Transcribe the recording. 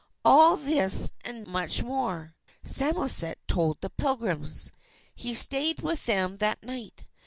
All this and much more, Samoset told the Pilgrims. He stayed with them that night.